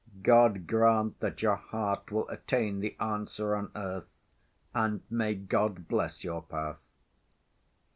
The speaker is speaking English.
God grant that your heart will attain the answer on earth, and may God bless your path."